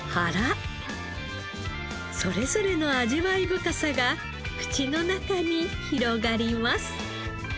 それぞれの味わい深さが口の中に広がります。